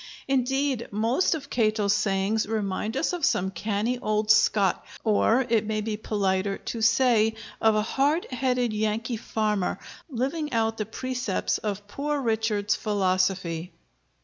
Indeed, most of Cato's sayings remind us of some canny old Scot, or it may be politer to say of a hard headed Yankee farmer, living out the precepts of Poor Richard's philosophy.